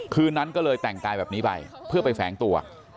คืนนั้นก็เลยแต่งกายแบบนี้ไปเพื่อไปแฝงตัว